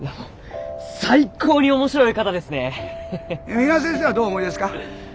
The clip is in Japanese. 三浦先生はどうお思いですか？